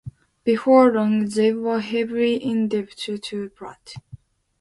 Before long, they were heavily in debt to Pratt.